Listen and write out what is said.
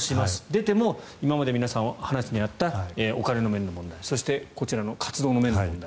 出ても今まで皆さんの話にあったお金の面の問題活動の面の問題